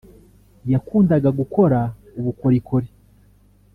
yakundaga gukora ubukorikori